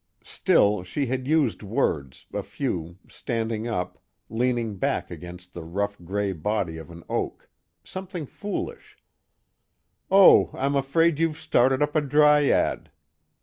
Still she had used words, a few, standing up, leaning back against the rough gray body of an oak, something foolish: "Oh I'm afraid you've started up a dryad."